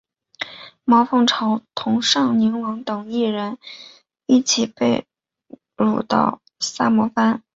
毛凤朝同尚宁王等人一起被掳到萨摩藩。